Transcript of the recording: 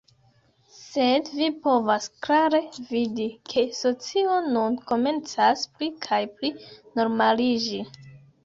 sed vi povas klare vidi, ke socio nun komencas pli kaj pli normaliĝi.